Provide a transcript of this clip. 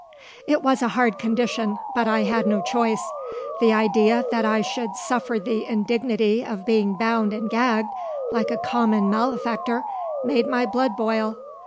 "It was a hard condition, but I had no choice. The idea that I should suffer the indignity of being bound and gagged, like a common malefactor, made my blood boil.